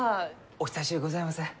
お久しゅうございます。